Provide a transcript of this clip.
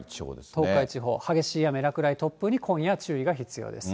東海地方、激しい雨、落雷、突風に今夜、注意が必要です。